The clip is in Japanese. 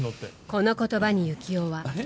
この言葉に、幸男は。